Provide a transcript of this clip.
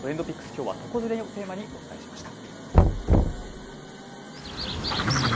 きょうは床ずれをテーマにお伝えしました。